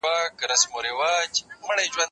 زه هره ورځ انځورونه رسم کوم؟